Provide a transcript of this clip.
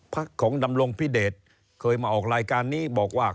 พักของดำรงพิเดชเคยมาออกรายการนี้บอกว่า